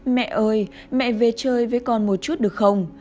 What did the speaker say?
mẹ ơi mẹ về chơi với con một chút được không